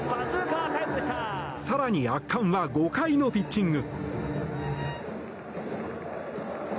更に圧巻は、５回のピッチング。